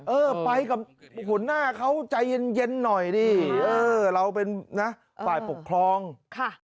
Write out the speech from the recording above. เออไปกับหัวหน้าเขาใจเย็นเย็นหน่อยดิเออเราเป็นนะฝ่ายปกครองค่ะ